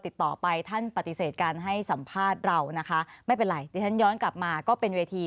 ติดต่อไปท่านปฏิเสธการให้สัมภาษณ์เรานะคะไม่เป็นไรเดี๋ยวฉันย้อนกลับมาก็เป็นเวที